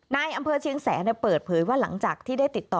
ในอำเภอเชียงแสนเปิดเผยว่าหลังจากที่ได้ติดต่อ